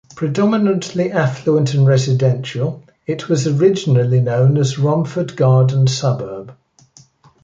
Predominantly affluent and residential, it was originally known as Romford Garden Suburb.